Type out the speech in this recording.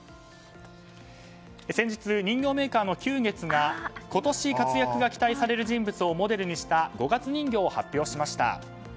先日、人形メーカーの久月が今年、活躍が期待される人物をモデルにした五月人形を発表しました。